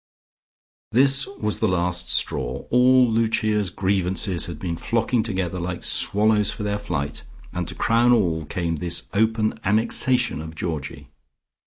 This was the last straw; all Lucia's grievances had been flocking together like swallows for their flight, and to crown all came this open annexation of Georgie.